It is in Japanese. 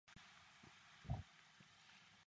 せっかく来た私は一人取り残された。